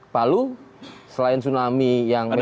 palu selain tsunami yang memang